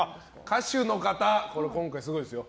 歌手の方、今回すごいですよ。